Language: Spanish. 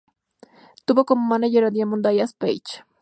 Tuvo como mánager a Diamond Dallas Page.